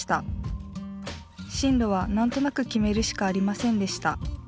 進路は何となく決めるしかありませんでした。